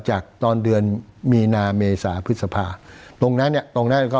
จากตอนเดือนมีนาเมษาพฤษภาพตรงนั้นเนี่ย